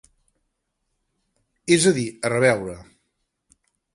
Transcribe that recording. És a dir, a reveure.